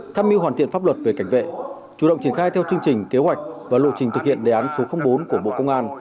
tham mưu hoàn thiện pháp luật về cảnh vệ chủ động triển khai theo chương trình kế hoạch và lộ trình thực hiện đề án số bốn của bộ công an